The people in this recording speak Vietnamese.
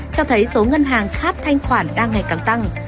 cho thấy số ngân hàng phát thanh khoản đang ngày càng tăng